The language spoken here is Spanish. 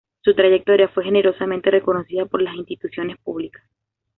Su trayectoria fue generosamente reconocida por las instituciones públicas.